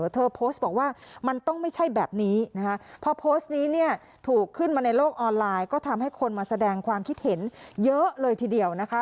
เธอโพสต์บอกว่ามันต้องไม่ใช่แบบนี้นะคะพอโพสต์นี้เนี่ยถูกขึ้นมาในโลกออนไลน์ก็ทำให้คนมาแสดงความคิดเห็นเยอะเลยทีเดียวนะคะ